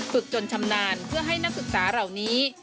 ฝึกจนชำนาญเพื่อให้นักศึกษาเหล่านี้